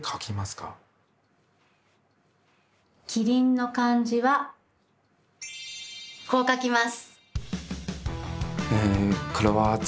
「キリン」の漢字はこう書きます。